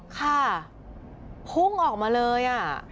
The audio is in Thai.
ค่ะพุ่งออกมาเลย